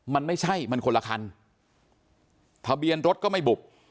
มันไม่ใช่มันคนละคันทะเบียนรถก็ไม่บุบ